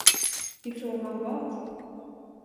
I fråga om vad?